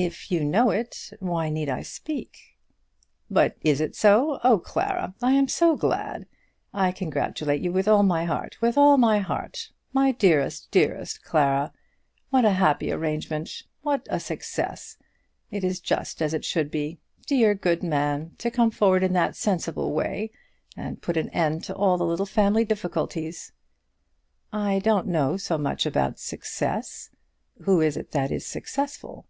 "If you know it, why need I speak?" "But it is so? Oh, Clara, I am so glad. I congratulate you with all my heart, with all my heart. My dearest, dearest Clara! What a happy arrangement! What a success! It is just as it should be. Dear, good man! to come forward in that sensible way, and put an end to all the little family difficulties!" "I don't know so much about success. Who is it that is successful?"